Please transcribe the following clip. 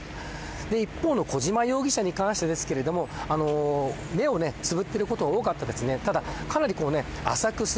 一方の小島容疑者に関してですけど目をつぶっていることが多かったですね。